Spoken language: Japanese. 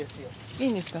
いいんですか？